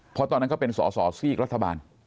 เพราะตอนนั้นก็เป็นสอสอซีกรัฐบาล